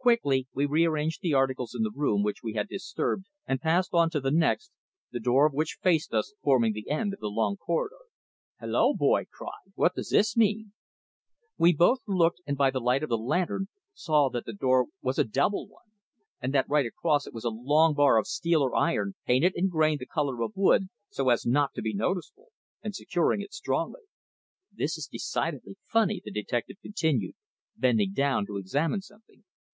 Quickly we rearranged the articles in the room which we had disturbed and passed on to the next, the door of which faced us, forming the end of the long corridor. "Hulloa!" Boyd cried. "What does this mean?" We both looked, and by the light of the lantern saw that the door was a double one and that right across it was a long bar of steel or iron painted and grained the colour of the wood so as not to be noticeable, and securing it strongly. "This is decidedly funny," the detective continued, bending down to examine something.